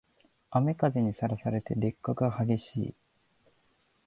雨風にさらされて劣化が激しい